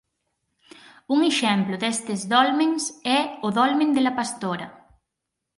Un exemplo destes dolmens é o dolmen de La Pastora.